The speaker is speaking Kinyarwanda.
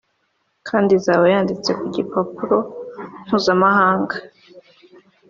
kandi izaba yanditse ku gipimo mpuzamahanga